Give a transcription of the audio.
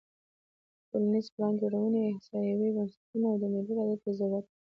د ټولنیزې پلانجوړونې احصایوي بنسټونو او ملي ارادې ته ضرورت دی.